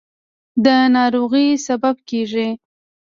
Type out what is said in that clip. د ناروغۍ سبب کېږي.